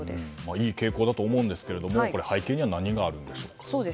いい傾向だと思うんですけれど背景には何があるんでしょうか。